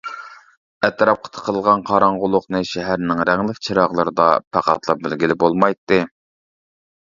ئەتراپقا تىقىلغان قاراڭغۇلۇقنى شەھەرنىڭ رەڭلىك چىراغلىرىدا پەقەتلا بىلگىلى بولمايتتى.